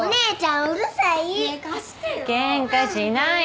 ケンカしないの。